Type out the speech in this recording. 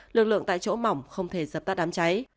lực lượng tại chỗ mỏng không thể dập tắt đám cháy